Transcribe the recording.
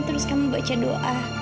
terus kamu baca doa